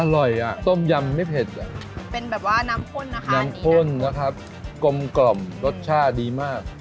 อร่อยอ่ะต้มยำไม่เผ็ดอ่ะเป็นแบบว่าน้ำข้นนะคะน้ำข้นนะครับกลมกล่อมรสชาติดีมาก